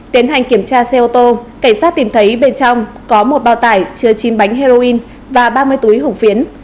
tiến hành kiểm tra xe ô tô cảnh sát tìm thấy bên trong có một bao tải chứa chín bánh heroin và ba mươi túi hồng phiến